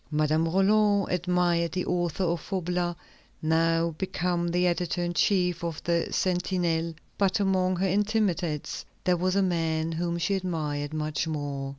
Madame Roland admired the author of Faublas, now become the editor in chief of the Sentinelle; but among her intimates there was a man whom she admired much more.